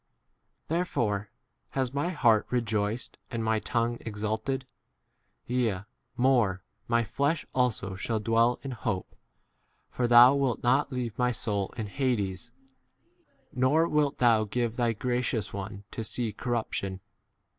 Therefore has my heart rejoiced and my tongue exulted ; yea, more, f my flesh also 2 7 shall dwell in hope, for thou wilt not leave my soul in hades, nor wilt thou give thy gracious z one 28 to see corruption.